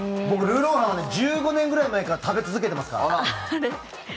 僕、ルーロー飯は１５年ぐらい前から食べ続けていますから。